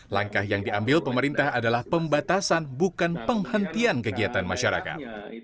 langkah yang diambil pemerintah adalah pembatasan bukan penghentian kegiatan masyarakat